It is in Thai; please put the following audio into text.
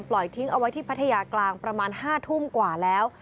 ทิ้งเอาไว้ที่พัทยากลางประมาณ๕ทุ่มกว่าแล้ว